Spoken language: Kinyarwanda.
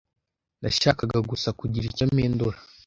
Nashakaga gusa kugira icyo mpindura.